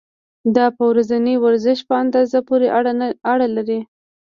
دا په ورځني ورزش په اندازې پورې اړه لري.